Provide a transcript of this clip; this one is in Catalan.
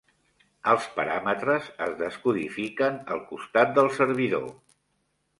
Els paràmetres es descodifiquen al costat del servidor.